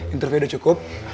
interview udah cukup